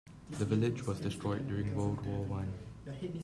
The village was destroyed during World War One.